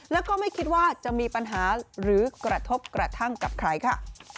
แล้วก็ไม่คิดว่าจะมีปัญหาหรือกระทบกระทั่งกับใครค่ะ